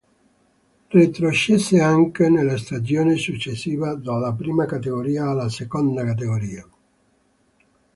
Retrocesse anche nella stagione successiva, dalla Prima Categoria alla Seconda Categoria.